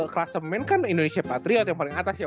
klasemen kan indonesia patriot yang paling atas ya